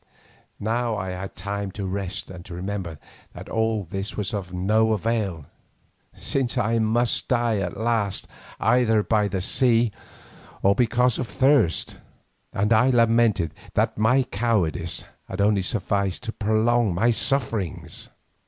Now I had time to rest and to remember that all this was of no avail, since I must die at last either by the sea or because of thirst, and I lamented that my cowardice had only sufficed to prolong my sufferings.